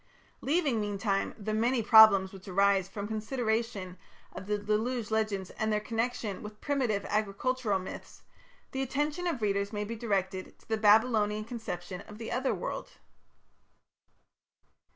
Leaving, meantime, the many problems which arise from consideration of the Deluge legends and their connection with primitive agricultural myths, the attention of readers may be directed to the Babylonian conception of the Otherworld.